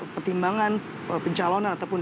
pertimbangan pencalonan ataupun